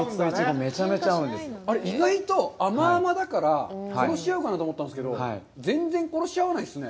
意外と甘々だから、殺し合うかなと思ったんですけど、全然殺し合わないですね。